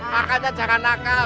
makanya jangan nakal